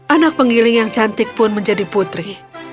anak penggiling yang cantik pun menjadi putri